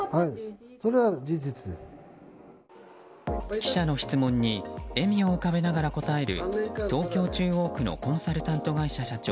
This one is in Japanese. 記者の質問に笑みを浮かべながら答える東京・中央区のコンサルタント会社社長